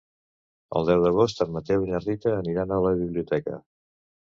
El deu d'agost en Mateu i na Rita aniran a la biblioteca.